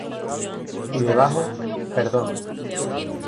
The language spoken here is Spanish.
Y debajo: "Perdón".